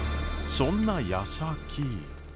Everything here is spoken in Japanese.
そんなやさき。